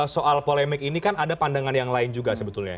soal polemik ini kan ada pandangan yang lain juga sebetulnya